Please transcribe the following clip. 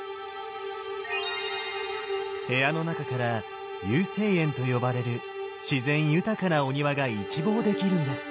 部屋の中から有清園と呼ばれる自然豊かなお庭が一望できるんです。